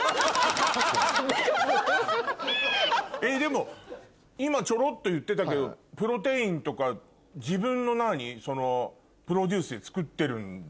でも今ちょろっと言ってたけどプロテインとか自分のプロデュースで作ってるんだ？